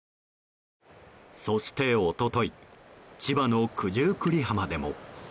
そして一昨日千葉の九十九里浜でも。